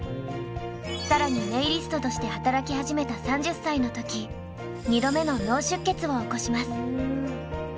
更にネイリストとして働き始めた３０歳の時２度目の脳出血を起こします。